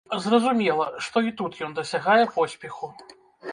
Зразумела, што і тут ён дасягае поспеху.